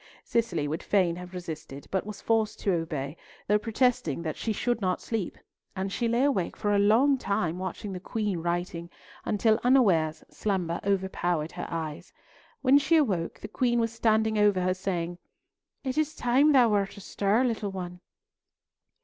Cicely would fain have resisted, but was forced to obey, though protesting that she should not sleep; and she lay awake for a long time watching the Queen writing, until unawares slumber overpowered her eyes. When she awoke, the Queen was standing over her saying, "It is time thou wert astir, little one!"